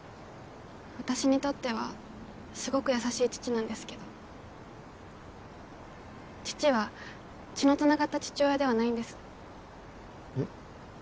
私にとってはすごく優しい父なんですけど父は血のつながった父親ではないんですえっ？